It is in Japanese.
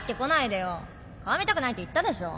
顔見たくないって言ったでしょ。